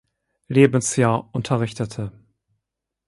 Lebensjahr unterrichtete.